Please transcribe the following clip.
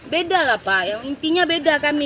beda lah pak yang intinya beda kami